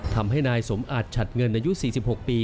ทำให้นายสมอาจฉัดเงินอายุ๔๖ปี